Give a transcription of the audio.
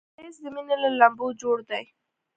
ښایست د مینې له لمبو جوړ دی